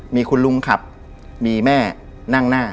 มีคุณลุงขับมีแม่นั่งหน้า